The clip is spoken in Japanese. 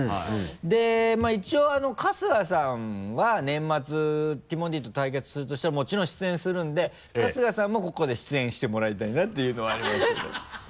で一応春日さんは年末ティモンディと対決するとしたらもちろん出演するので春日さんもここで出演してもらいたいなっていうのはあります